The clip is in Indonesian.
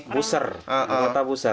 buser anggota buser